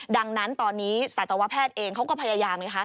ดังนั้นตอนนี้สัตวแพทย์เองเขาก็พยายามไงคะ